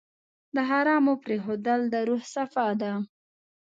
د حرامو پرېښودل د روح صفا ده.